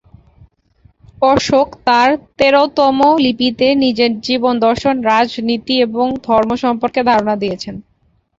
অশোক তাঁর তেরোতম লিপিতে নিজের জীবন দর্শন, রাজনীতি ও ধর্ম সম্পর্কে ধারণা দিয়েছেন।